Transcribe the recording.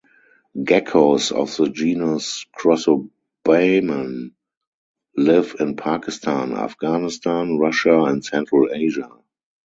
Geckos of the genus "Crossobamon" live in Pakistan, Afghanistan, Russia, and Central Asia.